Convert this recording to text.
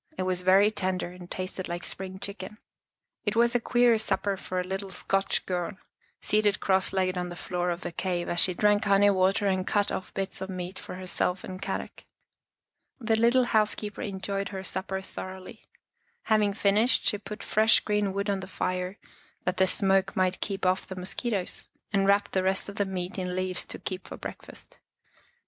It was very tender and tasted like spring chicken. It was a queer supper for the little Scotch girl, seated cross legged on the floor of the cave, as she drank honey water and cut off bits of meat for herself and Kadok. The little housekeeper enjoyed her supper thoroughly. Having finished, she put fresh green wood on the fire that the smoke might keep off the mosquitos, and wrapped the rest of the meat in leaves to keep for breakfast.